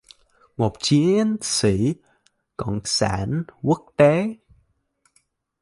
một chiến sĩ cộng sản quốc tế